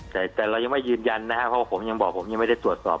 แต่เรายังไม่ยืนยันนะครับผมยังบอกผมไม่ได้ตรวจสอบ